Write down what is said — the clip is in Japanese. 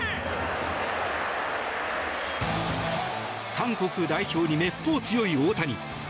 韓国代表にめっぽう強い大谷。